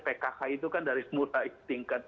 pkk itu kan dari murai tingkat